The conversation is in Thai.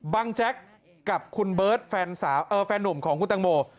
บังแจ๊คกับคุณเบิร์สแฟนหนุ่มของคุณตังโม